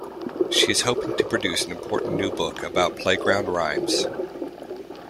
She is hoping to produce an important new book about playground rhymes.